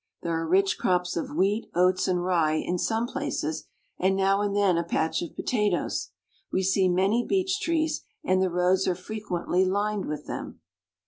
There, are rich crops of wheat, oats, and rye in some places, and now and then a patch of potatoes. We see many beech trees, and the roads are frequently lined with them.